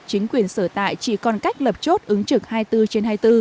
chính quyền sở tại chỉ còn cách lập chốt ứng trực hai mươi bốn trên hai mươi bốn